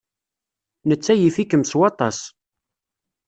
Netta yif-ikem s waṭas.